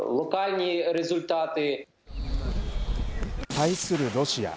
対するロシア。